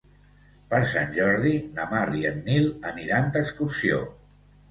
Per Sant Jordi na Mar i en Nil aniran d'excursió.